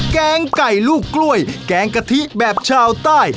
แกงไก่ลูกกล้วยแกงกะทิแบบชาวใต้